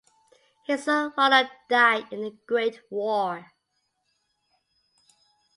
His son Ronald died in the Great War.